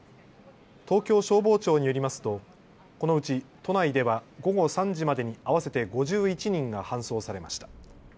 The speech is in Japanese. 東京消防庁によりますとこのうち都内では午後３時までに合わせて５１人が搬送されました。